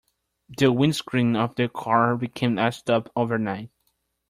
The windscreen of the car became iced up overnight.